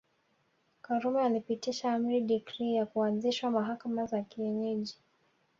Karume alipitisha amri decree ya kuanzishwa mahakama za kienyeji